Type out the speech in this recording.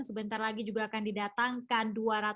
sebentar lagi juga akan didatangkan